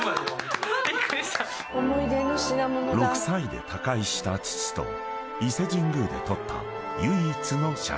［６歳で他界した父と伊勢神宮で撮った］